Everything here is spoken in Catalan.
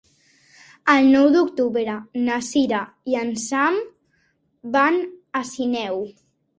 El nou d'octubre na Sira i en Sam van a Sineu.